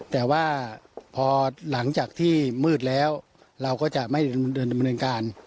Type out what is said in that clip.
แต่ว่าพอหลังจากที่มืดแล้วเราก็จะไม่เดินดำเนินการ